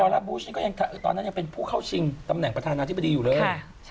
รับบูชินก็ยังตอนนั้นยังเป็นผู้เข้าชิงตำแหน่งประธานาธิบดีอยู่เลย